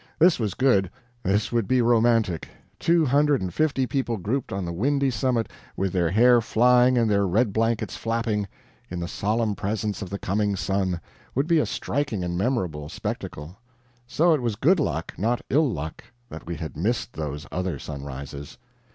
This was good; this would be romantic; two hundred and fifty people grouped on the windy summit, with their hair flying and their red blankets flapping, in the solemn presence of the coming sun, would be a striking and memorable spectacle. So it was good luck, not ill luck, that we had missed those other sunrises.